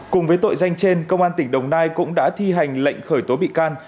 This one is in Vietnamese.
cùng với tội danh trên công an tỉnh đồng nai cũng đã thi hành lệnh khởi tố bị can